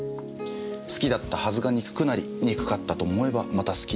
好きだったはずが憎くなり憎かったと思えばまた好きになり。